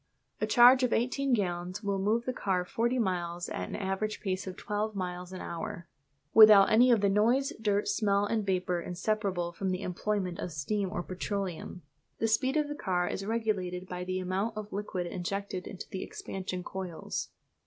A charge of eighteen gallons will move the car forty miles at an average pace of twelve miles an hour, without any of the noise, dirt, smell, or vapour inseparable from the employment of steam or petroleum. The speed of the car is regulated by the amount of liquid injected into the expansion coils.